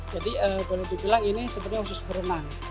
jadi boleh dibilang ini sebenarnya khusus berenang